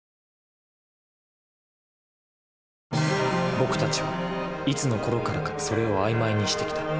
僕たちはいつのころからか「それ」を曖昧にしてきた。